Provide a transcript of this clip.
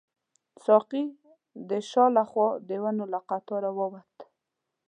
ساقي د شا له خوا د ونو له قطاره راووت.